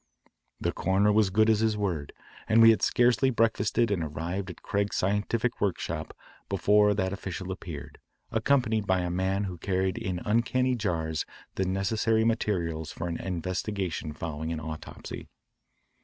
The coroner was as good as his word, and we had scarcely breakfasted and arrived at Craig's scientific workshop before that official appeared, accompanied by a man who carried in uncanny jars the necessary materials for an investigation following an autopsy.